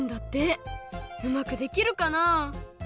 うまくできるかな？